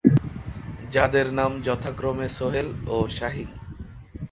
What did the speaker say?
যাদের নাম যথাক্রমে, সোহেল ও শাহিন।